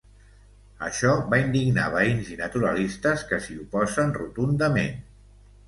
Això va indignar veïns i naturalistes que s'hi oposen rotundament.